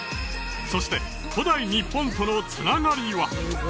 そして古代日本とのつながりは？